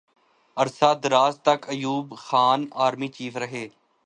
عرصہ دراز تک ایوب خان آرمی چیف رہے۔